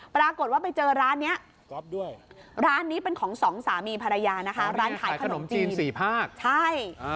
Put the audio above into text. ปรากฏว่าไปเจอร้านนี้ร้านนี้เป็นของสองสามีภรรยานะคะร้านขายขนมจีนสี่ภาคใช่